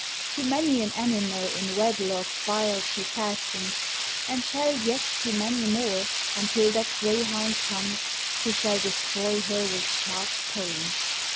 To many an animal in wedlock vile She fastens, and shall yet to many more, Until that greyhound come, who shall destroy Her with sharp pain.